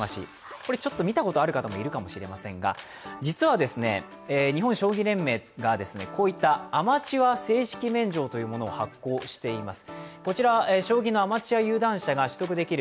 これちょっと見たことある方いるかもしれませんが実は日本将棋連盟がこういったアマチュア正式免状というのを発行しています。